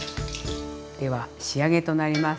では仕上げとなります。